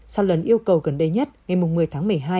sau lần yêu cầu gần đây nhất ngày một mươi tháng một mươi hai